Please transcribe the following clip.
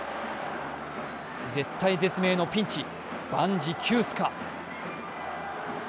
絶体絶命のピンチ、万事休すか。